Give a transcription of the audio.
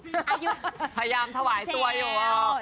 อายุพยายามถวายตัวอยู่